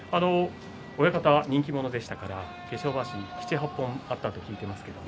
親方は人気者でしたから化粧まわし７、８本あったと聞いています。